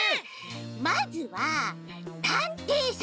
まずはたんていさんのやく。